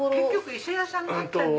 伊勢屋さんがあったんで。